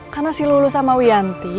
karena si lulu sama wianti